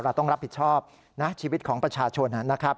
เราต้องรับผิดชอบชีวิตของประชาชน